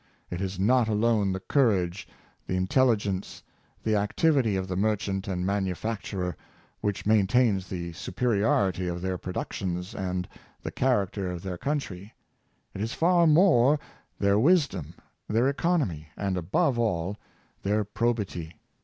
It is not alone the courage, the intelligence, the activity of the merchant and manufacturer which maintains the superi ority of their productions and the character of their country; it is far more their wisdom, their economy, uprightness in Business, 371 and, above all, their probity.